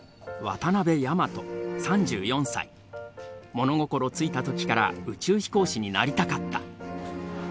物心付いた時から宇宙飛行士になりたかった。